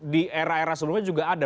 di era era sebelumnya juga ada